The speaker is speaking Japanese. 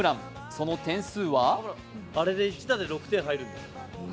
その点数は？